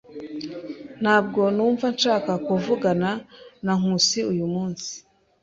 Ntabwo numva nshaka kuvugana na Nkusi uyu munsi.